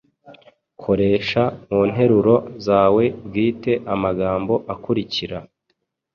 Koresha mu nteruro zawe bwite amagambo akurikira: